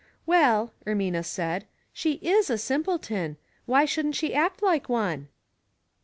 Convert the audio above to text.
''Well," Ermina said, '""she is a simpleton; why shouldn't she act like one